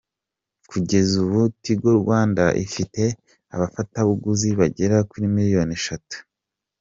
Kugeza ubu Tigo Rwanda ifite abafatabuguzi bagera kuri miliyoni eshatu.